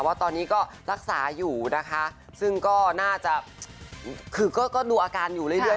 ว่าตอนนี้รักษาอยู่นะคะซึ่งก็ดูอาการอยู่เรื่อย